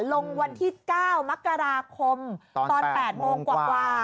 วันที่๙มกราคมตอน๘โมงกว่า